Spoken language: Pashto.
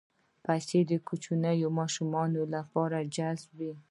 پسه د کوچنیو ماشومانو لپاره جذاب وي.